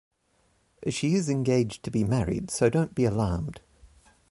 She is engaged to be married, so don't be alarmed.